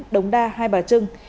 đống đa hai bà trưng